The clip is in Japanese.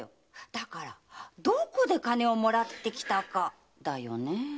だからどこで金をもらってきたかだよね。